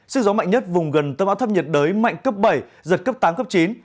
sự gió mạnh nhất vùng gần tâm áp thâm nhiệt đới mạnh cấp bảy giật cấp tám cấp chín